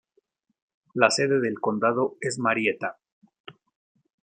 La sede del condado es Marietta.